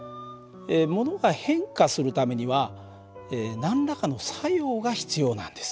ものが変化するためには何らかの作用が必要なんです。